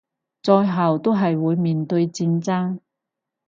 最後都係會面對戰爭